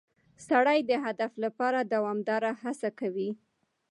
سړی د هدف لپاره دوامداره هڅه کوي